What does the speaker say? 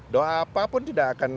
doa apa pun tidak akan